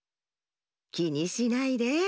きにしないで。